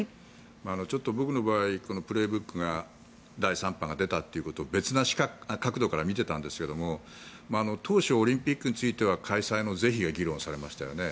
ちょっと僕の場合は「プレーブック」が第３版が出たということを別の角度から見てたんですが当初オリンピックについては開催の是非が議論されましたよね。